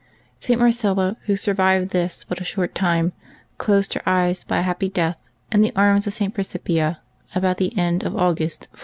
St. Marcella, who survived this but a short time, closed her eyes by a happy death, in the arms of St. Principia, about the end of August, 410.